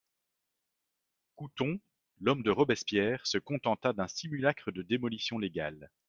Couthon, l'homme de Robespierre, se contenta d'un simulacre de démolition légale.